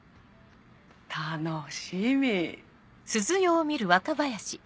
楽しみ。